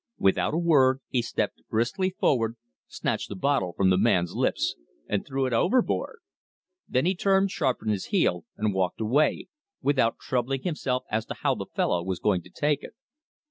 Without a word he stepped briskly forward, snatched the bottle from the man's lips, and threw it overboard. Then he turned sharp on his heel and walked away, without troubling himself as to how the fellow was going to take it.